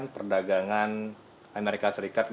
perdagangan amerika serikat